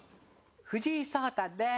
藤井聡太です。